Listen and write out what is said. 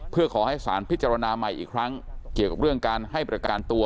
เพื่อขอให้สารพิจารณาใหม่อีกครั้งเกี่ยวกับเรื่องการให้ประกันตัว